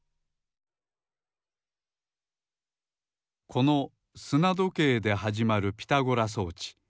このすなどけいではじまるピタゴラ装置